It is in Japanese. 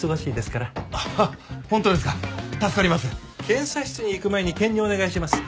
検査室に行く前に検尿をお願いします。